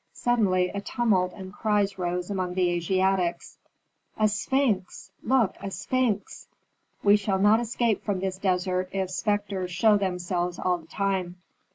Suddenly a tumult and cries rose among the Asiatics, "A sphinx! Look, a sphinx! We shall not escape from this desert if spectres show themselves all the time."